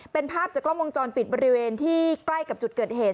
เป็นภาพจากกล้องวงจรปิดบริเวณที่ใกล้กับจุดเกิดเหตุ